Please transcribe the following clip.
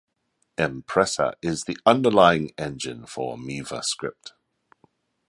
Empresa is the underlying engine for Miva Script.